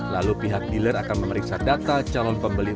lalu pihak dealer akan memeriksa data calon pembeli